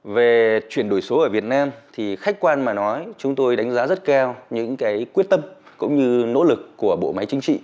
về chuyển đổi số ở việt nam thì khách quan mà nói chúng tôi đánh giá rất cao những quyết tâm cũng như nỗ lực của bộ máy chính trị